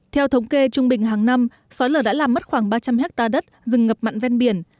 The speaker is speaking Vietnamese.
theo thống kê trung bình hàng năm sói lở đã làm mất khoảng ba trăm linh hectare đất rừng ngập mặn ven biển